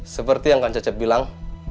seperti yang kang cecep bilang